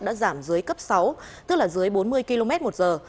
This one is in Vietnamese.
đã giảm dưới cấp sáu tức là dưới bốn mươi km một giờ